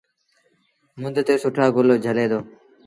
مند تي سُٺآ گل جھلي دو۔